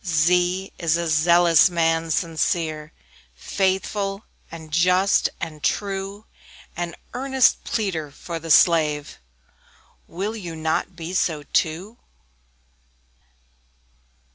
Z Z is a Zealous man, sincere, Faithful, and just, and true; An earnest pleader for the slave Will you not be so too?